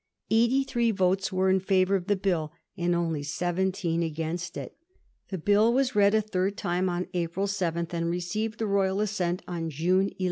Eighty three votes were in favour of the Bill, and only seventeen against it. The Bill was read a third time on April 7, and received the Royal assent on June 11.